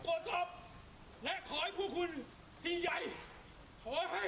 เพราะฉะนั้นเราก็ให้ความเป็นธรรมทุกคนอยู่แล้วนะครับ